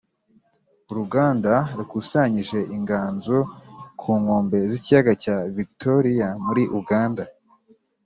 Uruganda rukusanyije inganzo ku nkombe z’ikiyaga cya Vigitoriya muri Uganda